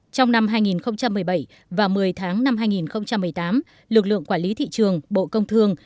trong năm hai nghìn một mươi bảy và một mươi tháng năm hai nghìn một mươi tám lực lượng quản lý thị trường bộ công thương